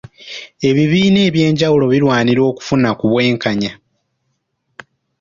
Ebibiina ebyenjawulo birwanirira okufuna ku bwenkanya .